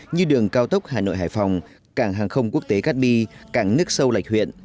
như đường cao tốc hà nội hải phòng cảng hàng không quốc tế cát bi cảng nước sâu lạch huyện